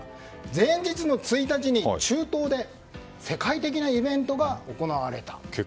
前日の１日に中東で世界的なイベントが行われた。